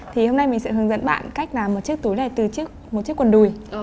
thì hôm nay mình sẽ hướng dẫn bạn cách làm một chiếc túi này từ một chiếc quần đùi